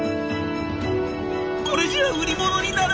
「これじゃ売り物にならない！